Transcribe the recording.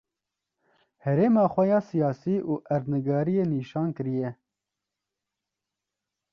herêma xwe ya siyasî û erdnigariyê nişan kiriye.